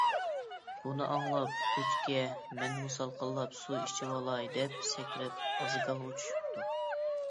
بۇنى ئاڭلاپ ئۆچكە: «مەنمۇ سالقىنلاپ، سۇ ئىچىۋالاي» دەپ سەكرەپ ئازگالغا چۈشۈپتۇ.